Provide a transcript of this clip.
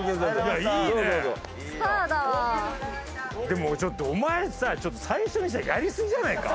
でもちょっとお前さ最初にしてはやりすぎじゃねえか？